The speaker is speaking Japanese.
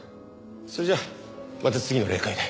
それじゃまた次の例会で。